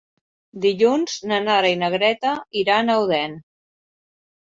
Dilluns na Nara i na Greta iran a Odèn.